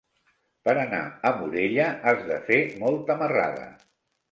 Per anar a Morella has de fer molta marrada.